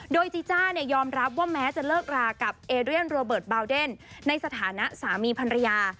โดยจีจ้าเนี่ยยอมรับว่าแม้จะเลิกรากับเอเรียนโรเบิร์ตบาวเดนในสถานะสามีภรรยา